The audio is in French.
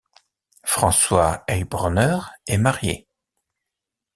François Heilbronner est marié.